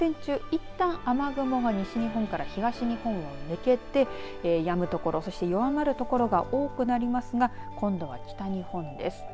いったん雨雲が西日本から東日本へ抜けてやむ所、そして弱まる所が多くなりますが今度は北日本です。